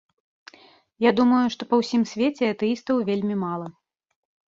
Я думаю, што па ўсім свеце атэістаў вельмі мала.